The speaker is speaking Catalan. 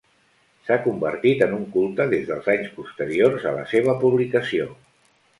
S'ha convertit en un culte des dels anys posteriors a la seva publicació.